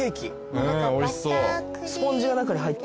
うんおいしそう。